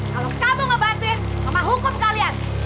kamu mau bantuin mama hukum kalian